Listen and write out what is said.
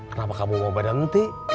kenapa kamu mau berhenti